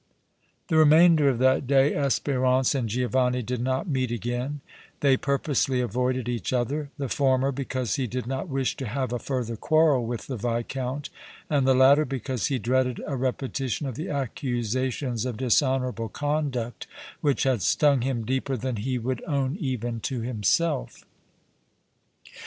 The remainder of that day Espérance and Giovanni did not meet again; they purposely avoided each other, the former because he did not wish to have a further quarrel with the Viscount, and the latter because he dreaded a repetition of the accusations of dishonorable conduct, which had stung him deeper than he would own even to himself.